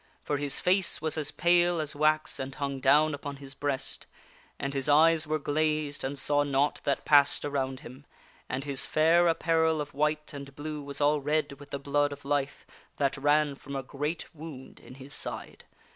For his face was as pale as wax and hung down upon his breast. And his eyes were glazed and saw , naught that passed around him, and his fair apparel of white How the wound ed knight cometh and blue was all red with the blood of life that ran from a into the forest. g rea j WO und in his side.